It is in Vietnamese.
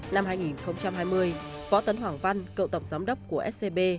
năm hai nghìn hai mươi phó tấn hoàng văn cậu tổng giám đốc của scb